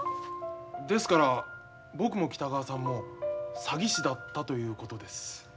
ですから僕も北川さんも詐欺師だったということです。